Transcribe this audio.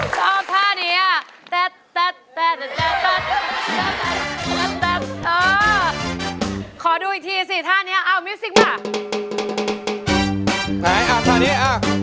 คืนคงน้ำตาย้อย